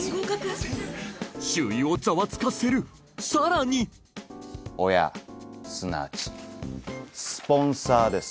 周囲をざわつかせるさらに親すなわちスポンサーです。